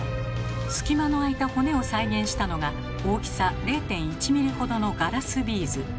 隙間のあいた骨を再現したのが大きさ０．１ｍｍほどのガラスビーズ。